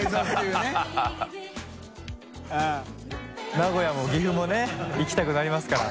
名古屋も岐阜もね行きたくなりますから。